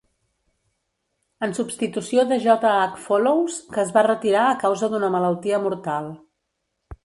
En substitució de J.H. Follows, que es va retirar a causa d'una malaltia mortal.